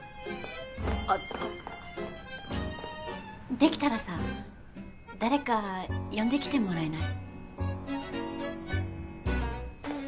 できたらさ誰か呼んで来てもらえない？